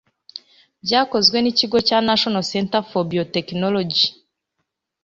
Bwakozwe n'ikigo cya National Center for Biotechnology